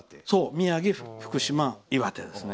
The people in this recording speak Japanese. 宮城、福島、岩手ですね。